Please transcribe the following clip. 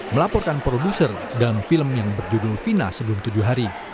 melaporkan produser dalam film yang berjudul fina sebelum tujuh hari